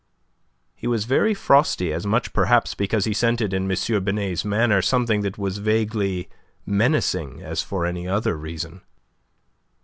He was very frosty, as much perhaps because he scented in M. Binet's manner something that was vaguely menacing as for any other reason.